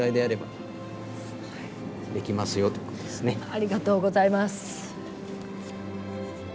ありがとうございます。